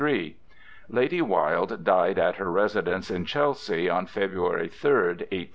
Lady Wilde died at her residence in Chelsea on February 3rd, 1896.